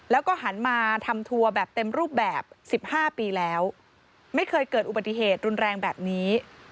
แล้วก็หันมาทำทัวร์แบบเต็มรูปแบบ๑๕ปีแล้วไม่เคยเกิดอุบัติเหตุรุนแรงแบบนี้